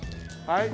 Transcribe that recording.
はい。